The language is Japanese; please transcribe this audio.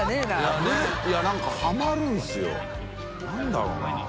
何だろうな？